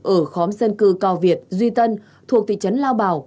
ở khóm dân cư cao việt duy tân thuộc thị trấn lao bảo